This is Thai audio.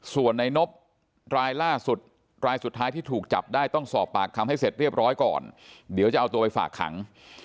ส่วนในนบรายล่าสุดรายสุดท้ายที่ถูกจับได้ต้องสอบปากคำให้เสร็จเรียบร้อยก่อนเดี๋ยวจะเอาตัวไปฝากขัง